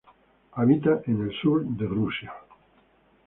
Habita en el sur de Rusia.